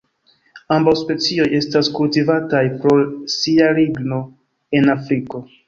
Ambaŭ specioj estas kultivataj pro sia ligno en Afriko.